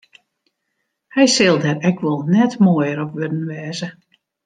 Hy sil der ek wol net moaier op wurden wêze.